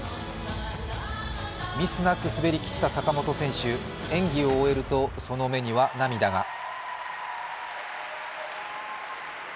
ミスなく滑りきった坂本選手演技を終えるとその目には涙が。